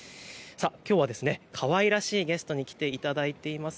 きょうはかわいらしいゲストに来ていただいています。